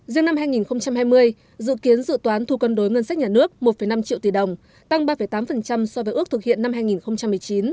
riêng năm hai nghìn hai mươi dự kiến dự toán thu cân đối ngân sách nhà nước một năm triệu tỷ đồng tăng ba tám so với ước thực hiện năm hai nghìn một mươi chín